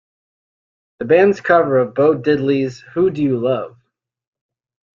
The band's cover of Bo Diddley's Who Do You Love?